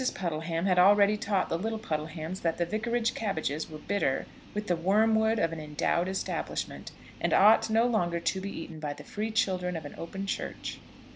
Puddleham had already taught the little Puddlehams that the Vicarage cabbages were bitter with the wormwood of an endowed Establishment, and ought no longer to be eaten by the free children of an open Church.